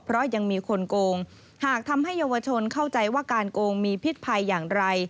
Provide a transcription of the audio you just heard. เพราะยังมีคนโกงหากทำให้เยาวชนเข้าใจว่าการโกงมีพิษภัยอย่างไร